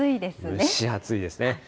蒸し暑いですね。